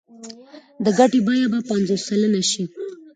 د ګټې بیه به پنځوس سلنه شي